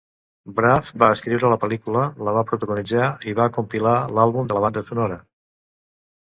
Braff va escriure la pel·lícula, la va protagonitzar i va compilar l'àlbum de la banda sonora.